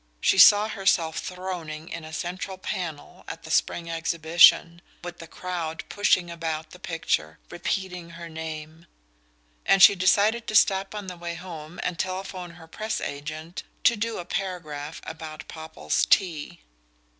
She saw herself throning in a central panel at the spring exhibition, with the crowd pushing about the picture, repeating her name; and she decided to stop on the way home and telephone her press agent to do a paragraph about Popple's tea.